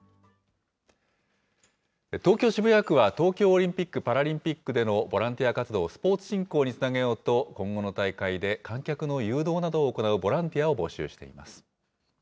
東京・渋谷区は、東京オリンピック・パラリンピックでのボランティア活動をスポーツ振興につなげようと、今後の大会で観客の誘導などを行うボランティアを募集しています。